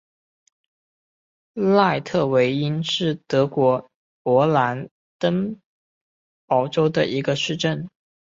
赖特韦因是德国勃兰登堡州的一个市镇。